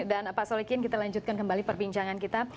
dan pak solikin kita lanjutkan kembali perbincangan kita